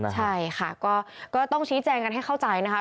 ใช่ค่ะก็ต้องชี้แจงกันให้เข้าใจนะคะ